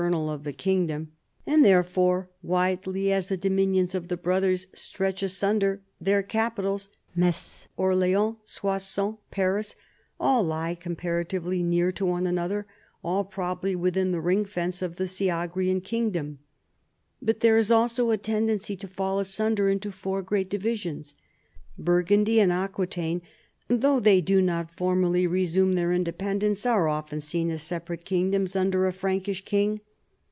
13 kernel of the kingdom ; and therefore, widely as the dominions of the brothers stretch asunder, their capitals, Metz, Orleans, Soissons, Paris, all lie com paratively near to one another, all probably within the ring fence of the Syagrian kingdom. But there is also a tendency to fall asunder into four great divisions. Burgundy and Aquitaine, though they do not formally resume their independence, are of ten seen as separate kingdoms under a Frankish king.